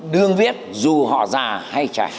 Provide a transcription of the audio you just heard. đương viết dù họ già hay trẻ